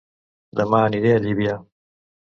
Dema aniré a Llívia